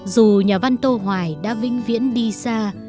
dù nhà văn tô hoài đã vĩnh viễn đi xa